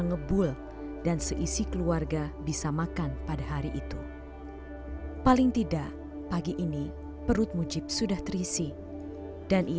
ngebul dan seisi keluarga bisa makan pada hari itu paling tidak pagi ini perut mujib sudah terisi dan